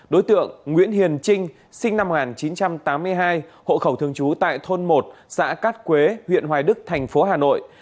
đối tượng nguyễn hiền trinh sinh năm một nghìn chín trăm tám mươi hai hộ khẩu thường trú tại thôn một xã cát quế huyện hoài đức thành phố hà nội